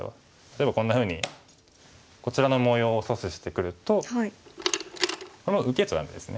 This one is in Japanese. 例えばこんなふうにこちらの模様を阻止してくるとこれは受けちゃダメですね。